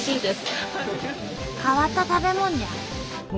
変わった食べ物じゃ。